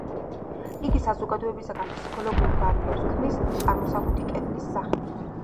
იგი საზოგადოებისგან ფსიქოლოგიურ ბარიერს ქმნის, წარმოსახვითი კედლის სახით.